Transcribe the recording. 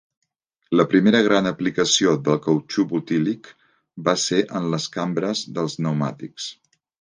La primera gran aplicació del cautxú butílic va ser en les cambres dels pneumàtics.